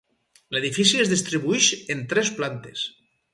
L'edifici es distribuïx en tres plantes.